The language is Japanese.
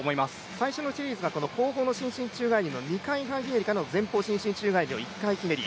最初のシリーズが後方の伸身宙返りからの２回宙返りからの前方伸身宙返りの１回半ひねり。